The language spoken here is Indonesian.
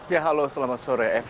ya halo selamat sore